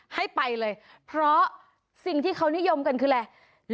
ให้ไปเลยเพราะสิ่งที่เขานิยมกันคืออะไร